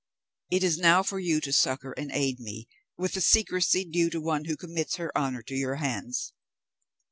It is now for you to succour and aid me with the secrecy due to one who commits her honour to your hands.